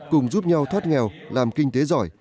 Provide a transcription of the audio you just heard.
cùng giúp nhau thoát nghèo làm kinh tế giỏi